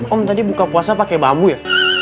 om tadi buka puasa pakai bambu ya